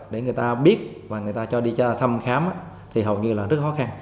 để người ta biết và người ta cho đi thăm khám thì hầu như là rất khó khăn